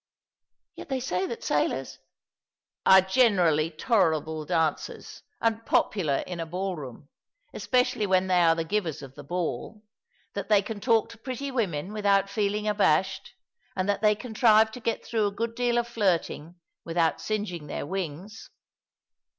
" Yet they say that sailors "" Are generally tolerable dancers, and popular in a ball room, especially when they are the givers of the ball — that they can talk to pretty women without feeling abashed — and that they contrive to get through a good deal of flirting without singeing their wings.